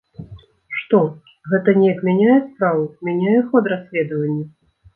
Што, гэта неяк мяняе справу, мяняе ход расследавання?